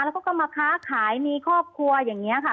แล้วก็มาค้าขายมีครอบครัวอย่างนี้ค่ะ